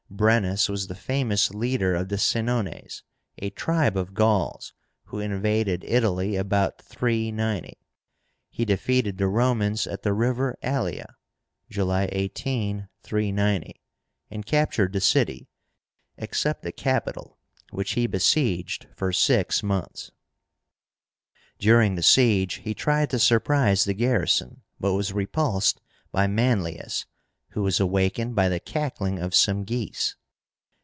BRENNUS was the famous leader of the Senones, a tribe of Gauls, who invaded Italy about 390. He defeated the Romans at the River Allia (July 18, 390), and captured the city, except the Capitol, which he besieged for six months. During the siege he tried to surprise the garrison, but was repulsed by Manlius, who was awakened by the cackling of some geese.